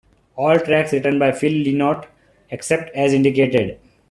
All tracks written by Phil Lynott, except as indicated.